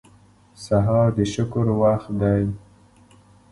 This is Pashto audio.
سهار د شکر وخت دی.